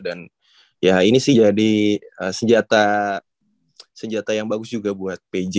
dan ya ini sih jadi senjata yang bagus juga buat pj